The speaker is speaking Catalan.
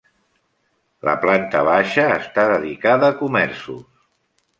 La planta baixa està dedicada a comerços.